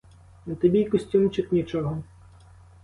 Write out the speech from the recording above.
На тобі й костюмчик нічого.